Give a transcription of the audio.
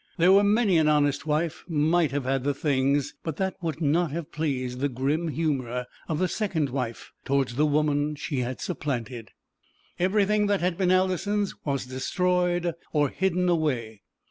There was many an honest wife might have had the things, but that would not have pleased the grim humour of the second wife towards the woman she had supplanted. Everything that had been Alison's was destroyed or hidden away.